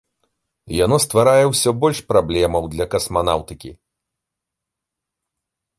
Яно стварае ўсё больш праблемаў для касманаўтыкі.